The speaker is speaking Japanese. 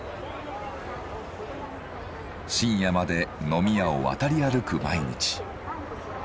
深夜まで飲み屋を渡り歩く毎日。